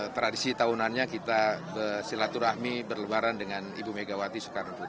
tradisi tahunannya kita bersilaturahmi berlebaran dengan ibu megawati soekarno putri